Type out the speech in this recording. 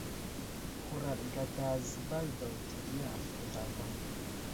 Huraɗ gata zəbal daw ,təgiya aslər zlavaŋ.